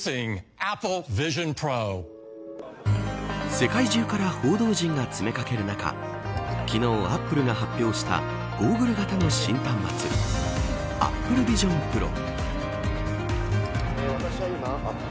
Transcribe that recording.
世界中から報道陣が詰め掛ける中昨日、アップルが発表したゴーグル型の新端末ＡｐｐｌｅＶｉｓｉｏｎＰｒｏ。